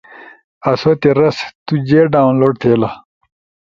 آسو تے رس تو جے ڈاونلوڈ تھئیلا: